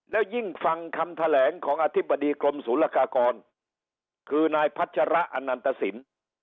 แล้วยิ่งฟังคำแถลงของอธิบดีกรมศูนย์ละกากรคือนายพัชระอนันตสิน